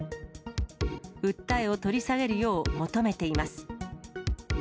訴えを取り下げるよう求めています。